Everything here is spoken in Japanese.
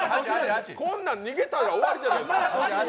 こんなん、逃げたら終わりじゃないですか。